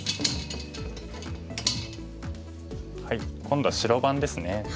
今度は白番ですね。